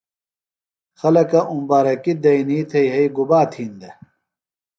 خلکہ اُمبارکیۡ دئینی تھےۡ یھئی گُبا تِھین دےۡ ؟